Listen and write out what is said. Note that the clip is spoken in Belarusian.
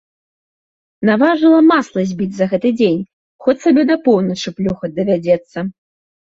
Наважыла масла збіць за гэты дзень, хоць сабе да поўначы плюхаць давядзецца.